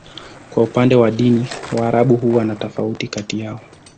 Kwa upande wa dini, Waarabu huwa na tofauti kati yao.